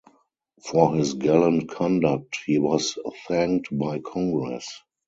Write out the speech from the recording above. For his gallant conduct he was thanked by Congress.